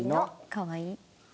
かわいい。